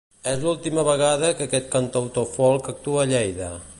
És l'última vegada que aquest cantautor folk actua a Lleida.